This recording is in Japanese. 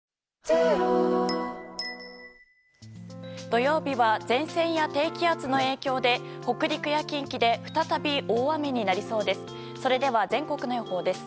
土曜日は前線や低気圧の影響で北陸や近畿で再び大雨となりそうです。